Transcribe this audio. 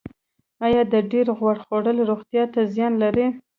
ایا د ډیر غوړ خوړل روغتیا ته زیان لري